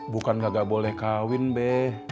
bukan nggak boleh kawin be